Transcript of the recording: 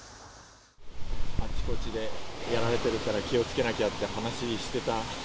あちこちでやられてるから、気をつけなきゃって話してた。